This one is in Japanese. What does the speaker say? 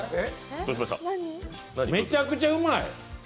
めちゃくちゃうまい。